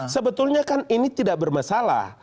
sebetulnya kan ini tidak bermasalah